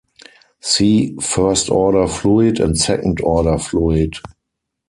See first-order fluid and second-order fluid.